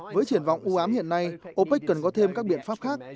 với triển vọng ưu ám hiện nay opec cần có thêm các biện pháp khác